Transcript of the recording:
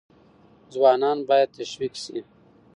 ځوانان باید تشویق شي.